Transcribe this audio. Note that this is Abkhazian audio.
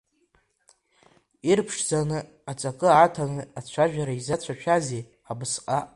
Ирԥшӡаны, аҵакы аҭаны ацәажәара изацәшәазеи абысҟак?